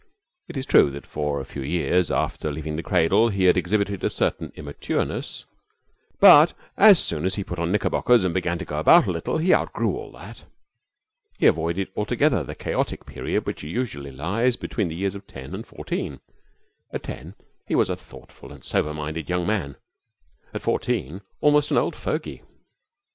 It is true that for a few years after leaving the cradle he had exhibited a certain immatureness, but as soon as he put on knickerbockers and began to go about a little he outgrew all that. He avoided altogether the chaotic period which usually lies between the years of ten and fourteen. At ten he was a thoughtful and sober minded young man, at fourteen almost an old fogy.